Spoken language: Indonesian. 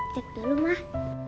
cep dulu mah